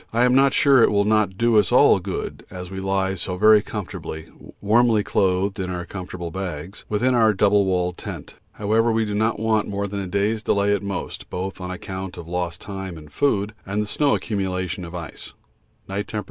I am not sure it will not do us all good as we lie so very comfortably, warmly clothed in our comfortable bags, within our double walled tent. However, we do not want more than a day's delay at most, both on account of lost time and food and the snow accumulation of ice. (Night T.